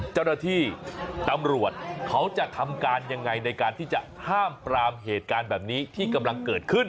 เจ้าหน้าที่ตำรวจเขาจะทำการยังไงในการที่จะห้ามปรามเหตุการณ์แบบนี้ที่กำลังเกิดขึ้น